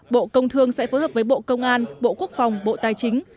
bộ công thương sẽ phối hợp với bộ công an bộ quốc phòng bộ tài chính